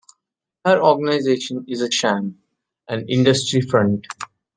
Her organization is a sham, an industry front.